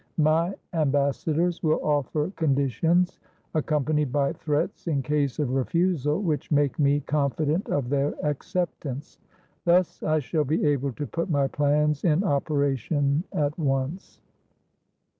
My ambassadors will offer conditions, accom panied by threats in case of refusal, which make me con fident of their acceptance. Thus I shall be able to put my plans in operation at once.